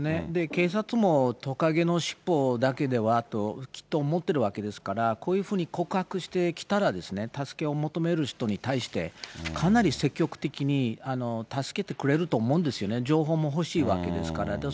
警察もトカゲの尻尾だけではときっと思ってるわけですから、こういうふうに告白してきたら、助けを求める人に対して、かなり積極的に助けてくれると思うんですよね、情報も欲しいわけですから。